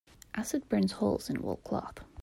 Acid burns holes in wool cloth.